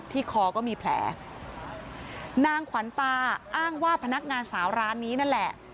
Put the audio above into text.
คอก็มีแผลนางขวัญตาอ้างว่าพนักงานสาวร้านนี้นั่นแหละ